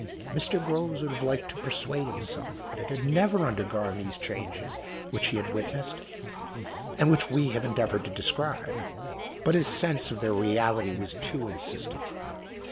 Mr. Groves would have liked to persuade himself that it had never undergone these changes which he had witnessed, and which we have endeavoured to describe, but his sense of their reality was too insistent.